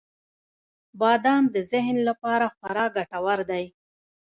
• بادام د ذهن لپاره خورا ګټور دی.